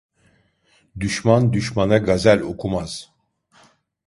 Düşman düşmana gazel okumaz.